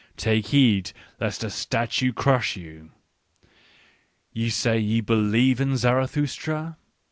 Take heed, lest a statue crush you. "Ye say ye believe in Zarathustra?